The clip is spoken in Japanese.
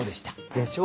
でしょ？